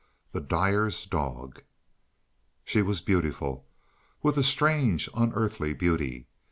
The Dyer's Dog SHE was beautiful, with a strange unearthly beauty.